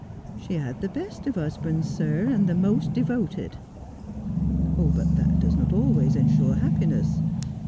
' She had the best of husbands, sir, and the most devoted.' ' But that does not always ensure happiness.